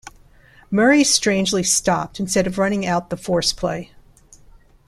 Murray strangely stopped instead of running out the force play.